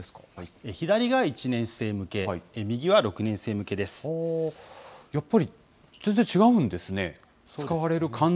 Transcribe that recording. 左が１年生向け、やっぱり、全然違うんですね。